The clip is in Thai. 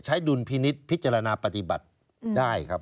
ดุลพินิษฐ์พิจารณาปฏิบัติได้ครับ